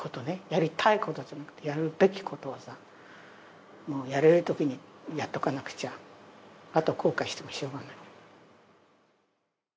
やりたいことじゃなくてやるべきことはさやれるときにやっておかなくちゃあと後悔してもしょうがない。